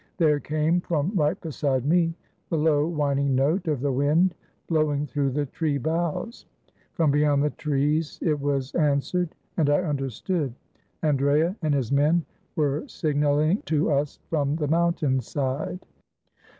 There came, from right beside me, the low whining note of the wind blowing through the tree boughs. From beyond the trees it was answered. And I understood. Andrea and his men were signaling to us from the moun tain side.